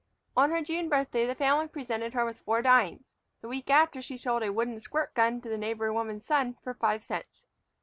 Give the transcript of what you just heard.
On her June birthday the family presented her with four dimes; the week after she sold a wooden squirt gun to the neighbor woman's son for five cents.